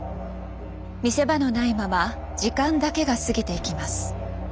見せ場のないまま時間だけが過ぎていきます。